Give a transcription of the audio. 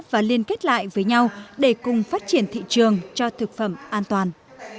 và liên kết lại với nhau để cùng phát triển thị trường cho thực phẩm an toàn